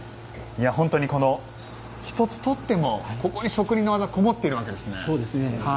本当に、１つとっても職人の技こもっているわけですね。